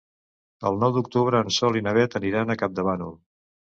El nou d'octubre en Sol i na Beth aniran a Campdevànol.